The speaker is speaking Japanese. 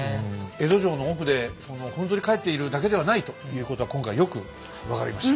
江戸城の奥でふんぞり返っているだけではないということが今回よく分かりました。